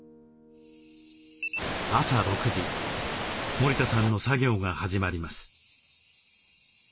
森田さんの作業が始まります。